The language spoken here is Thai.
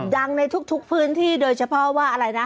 ในทุกพื้นที่โดยเฉพาะว่าอะไรนะ